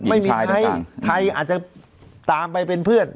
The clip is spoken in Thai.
ไม่มีใครไทยอาจจะตามไปเป็นเพื่อน